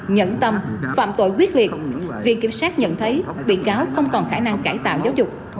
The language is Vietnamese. nhẫn tâm phạm tội quyết liệt viện kiểm sát nhận thấy bị cáo không còn khả năng cải tạo giáo dục